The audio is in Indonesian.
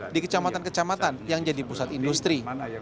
di kecamatan kecamatan yang jadi pusat industri